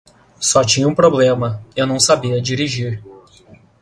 Só tinha um problema, eu não sabia dirigir.